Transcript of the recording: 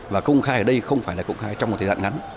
và công khai ở đây không phải là công khai trong một thời gian ngắn